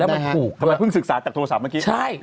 มาฟึงศึกษาจากโทรศัพท์เมื่อกี้ใช่